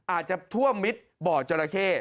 อาจจะท่วมมิดบ่อจราเข้